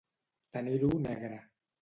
Tenir-ho negre.